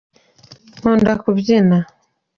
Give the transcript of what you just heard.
nkunda kubyina